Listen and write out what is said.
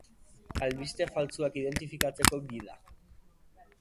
Albiste faltsuak identifikatzeko gida.